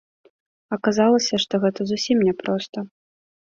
Аказалася, што гэта зусім не проста.